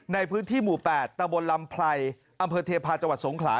ในพื้นที่หมู่๘ตะบนลำไพรอำเภอเทพาะจังหวัดสงขลา